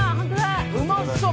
うまそう。